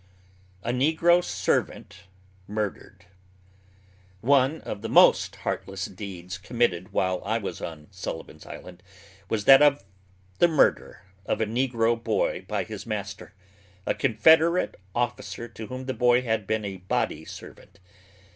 A NEGRO SERVANT MURDERED. One of the most heartless deeds committed while I was on Sullivan's Island, was that of the murder of a negro boy by his master, a Confederate officer to whom the boy had been a body servant.